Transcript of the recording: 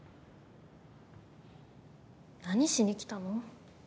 何しに来たの？